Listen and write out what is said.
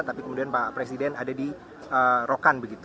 tapi kemudian pak presiden ada di rokan begitu